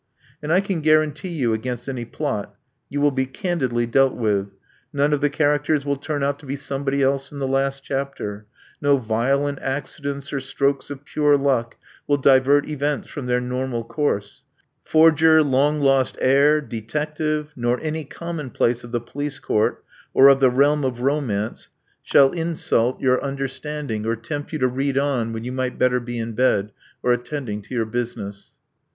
And I can guarantee youag; ainst any plot. You will be candidly dealt with. ^Sone of the characters will turn out to be somebody else in the last chapter: no violent accidents or strokes of pure luck will divert events from their normal course: forger, long lost heir, detective, nor any commonplace of the police court or of the realm of romance shall insult your viii Love Among the Artists understanding, or tempt you to read on when you might better be in bed or attending to your business.